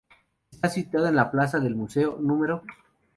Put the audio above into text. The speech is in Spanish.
Está situado en la Plaza del Museo, núm.